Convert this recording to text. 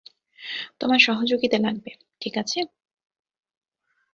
তোমার সহযোগিতা লাগবে, ঠিক আছে?